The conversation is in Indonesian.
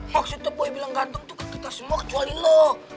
maksudnya boleh bilang gantung tuh ke kita semua kecuali lo